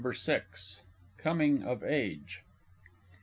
_ VI. COMING OF AGE.